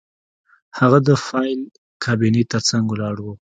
هغه د فایل کابینې ترڅنګ ولاړ و